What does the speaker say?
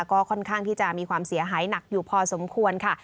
ก็ค่อนข้างที่จะมีความเสียหายหนักอยู่พอสมควรค่ะ